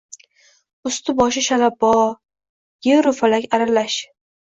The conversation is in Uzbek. Ustu boshi shalabbo, yepy falak aralash